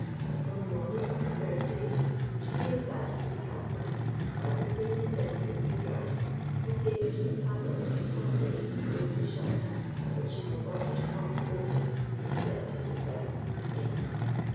On the morning of the third day she came back to the castle, bade the Queen descend into the garden, and gave her some tablets of palm leaves closely shut, which she was ordered not to open except in the presence of the King.